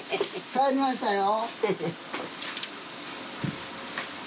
帰りましたよ。